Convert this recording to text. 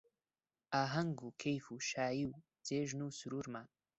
ئاهەنگ و کەیف و شایی و جێژن و سروورمان